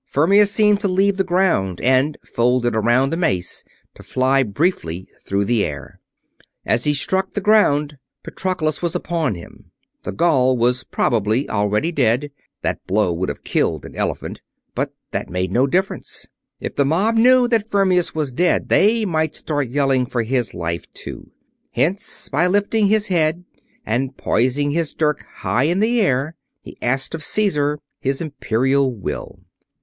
Fermius seemed to leave the ground and, folded around the mace, to fly briefly through the air. As he struck the ground, Patroclus was upon him. The Gaul was probably already dead that blow would have killed an elephant but that made no difference. If that mob knew that Fermius was dead, they might start yelling for his life, too. Hence, by lifting his head and poising his dirk high in air, he asked of Caesar his Imperial will.